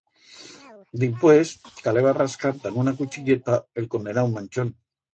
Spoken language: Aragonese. Dimpués caleba rascar dan una cuchilleta el condenau manchón.